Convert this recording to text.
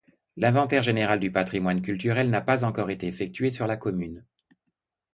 L'inventaire général du patrimoine culturel n'a pas encore été effectué sur la commune.